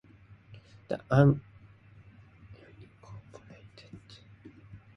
The unincorporated communities of Jenkinsville and Strawbridge are also located in the town.